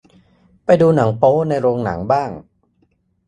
ไปดูหนังโป๊ในโรงหนังบ้าง